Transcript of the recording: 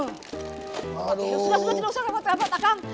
sudah sudah tidak usah rapat rapat akang